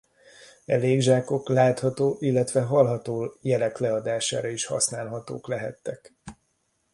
E légzsákok látható illetve hallható jelek leadására is használhatók lehettek.